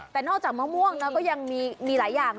แต่นอกจากมะม่วงนะก็ยังมีหลายอย่าง